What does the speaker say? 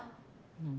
うん。